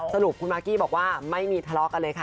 สรุปคุณมากกี้บอกว่าไม่มีทะเลาะกันเลยค่ะ